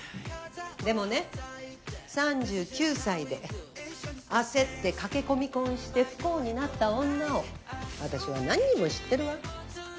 でもね３９歳で焦って駆け込み婚して不幸になった女を私は何人も知ってるわ。